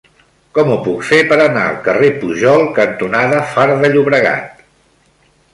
Com ho puc fer per anar al carrer Pujol cantonada Far de Llobregat?